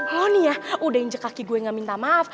oh nih ya udah injak kaki gue gak minta maaf